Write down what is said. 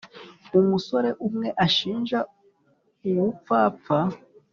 umusore umwe anshinja ubupfapfa